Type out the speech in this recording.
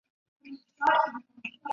现住美国纽约。